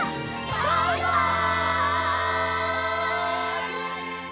バイバイ！